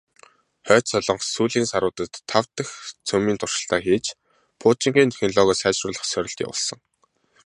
Хойд Солонгос сүүлийн саруудад тав дахь цөмийн туршилтаа хийж, пуужингийн технологио сайжруулах сорилт явуулсан.